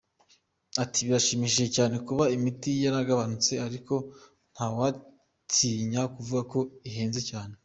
Ati” Birashimishije cyane kuba imiti yaragabanutse, ariko ntawatinya kuvuga ko igihenze cyane.